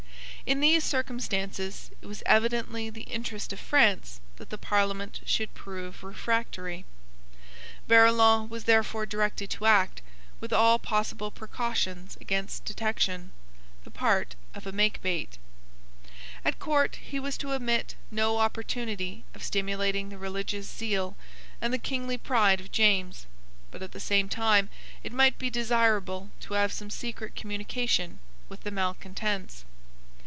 In these circumstances, it was evidently the interest of France that the Parliament should prove refractory. Barillon was therefore directed to act, with all possible precautions against detection, the part of a makebate. At court he was to omit no opportunity of stimulating the religious zeal and the kingly pride of James; but at the same time it might be desirable to have some secret communication with the malecontents.